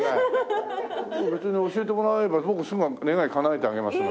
教えてもらえれば僕すぐ願いかなえてあげますのに。